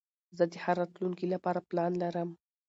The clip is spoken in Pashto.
زه د ښه راتلونکي له پاره پلان لرم.